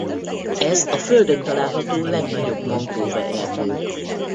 Ez a földön található legnagyobb mangrove-erdő.